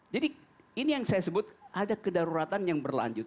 jadi ini yang saya sebut ada kederoratan yang berlanjut